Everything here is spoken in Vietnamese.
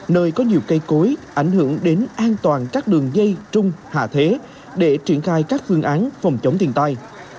nơi có nhiều cây cối ảnh hưởng đến an toàn các đường dây trung hạ thế để triển khai các phương án phòng chống thiên tai